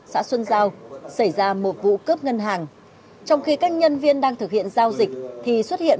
xã xuân giao xảy ra một vụ cướp ngân hàng trong khi các nhân viên đang thực hiện giao dịch thì xuất hiện